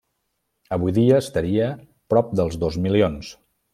Avui dia estaria prop dels dos milions.